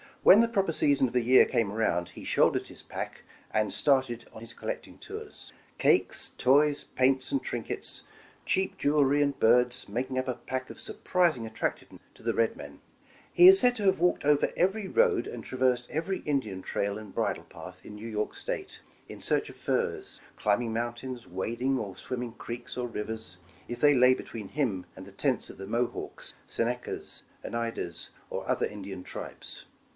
When the proper season of the year came aroundj he shouldered his pack and started on his collecting tours. Cakes, toys, paints and trinkets, cheap jewelry and birds, making up a pack of surprising attractive ness to the red men. He is said to have walked over every road, and traversed every Indian trail and bridle path in New York State, in search of furs, climbing mountains, wading or swimming creeks or rivers, if ihey lay be 73 The Original John Jacob Astor tween him and the tents of the Mohawks, Senecas, Oneidas, or other Indian tribes.